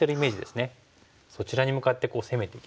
そちらに向かって攻めていきます。